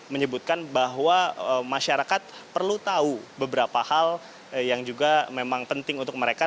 menyebutkan bahwa masyarakat perlu tahu beberapa hal yang juga memang penting untuk mereka